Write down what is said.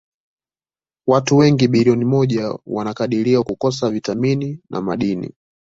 Watu wengine bilioni moja wanakadiriwa kukosa vitamini na madini.